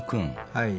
はい。